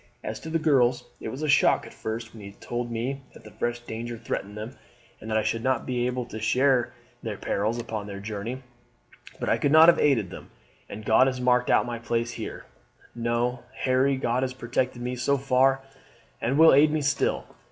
As to the girls, it was a shock at first when you told me that fresh danger threatened them, and that I should not be able to share their perils upon their journey; but I could not have aided them, and God has marked out my place here. No, Harry, God has protected me so far, and will aid me still.